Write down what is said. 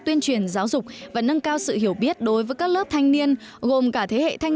tuyên truyền giáo dục và nâng cao sự hiểu biết đối với các lớp thanh niên gồm cả thế hệ thanh